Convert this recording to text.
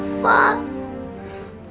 kamu panas sekali